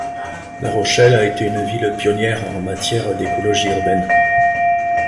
La Rochelle a été une ville pionnière en matière d’écologie urbaine.